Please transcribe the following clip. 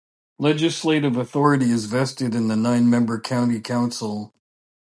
Legislative authority is vested in the nine-member county council.